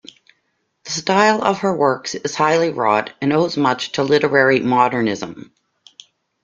The style of her works is highly wrought and owes much to literary modernism.